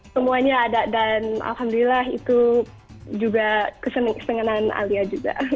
semuanya ada dan alhamdulillah itu juga kesenganan alia juga